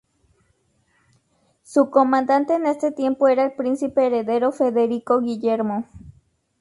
Su comandante en este tiempo era el príncipe heredero Federico Guillermo.